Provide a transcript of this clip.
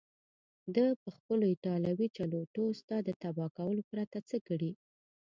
ده پخپلو ایټالوي چلوټو ستا د تباه کولو پرته څه کړي.